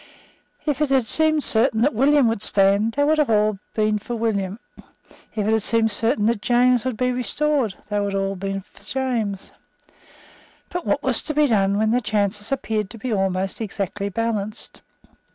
If it had seemed certain that William would stand, they would all have been for William. If it had seemed certain that James would be restored, they would all have been for James. But what was to be done when the chances appeared to be almost exactly balanced?